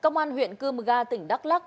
công an huyện cư mga tỉnh đắk lắc